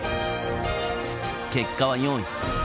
結果は４位。